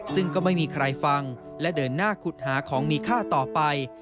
ซึ่งก็ไม่มีใครฟังและเดินหน้าขุดหาของมีค่าต่อไป